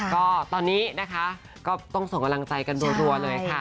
ก็ตอนนี้นะคะก็ต้องส่งกำลังใจกันรัวเลยค่ะ